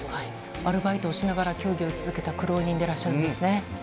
アルバイトをしながら競技を続けた苦労人でらっしゃるんです